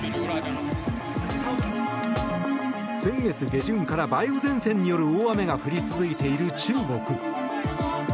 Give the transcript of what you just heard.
先月下旬から梅雨前線による大雨が降り続いている中国。